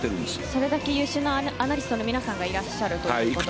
それだけ優秀なアナリストの皆さんがいらっしゃると。